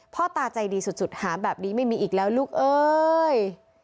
พ่อตาใจดีสุดหามแบบนี้ไม่มีอีกแล้วลูกเอ้ย